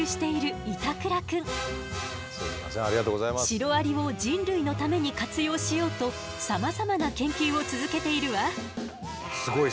シロアリを人類のために活用しようとさまざまな研究を続けているわ。